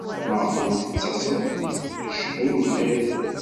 Maɣef ur d-tettaseḍ? Acku ur bɣiɣ.